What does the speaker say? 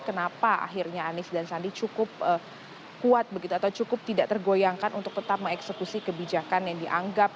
kenapa akhirnya anies dan sandi cukup kuat begitu atau cukup tidak tergoyangkan untuk tetap mengeksekusi kebijakan yang dianggap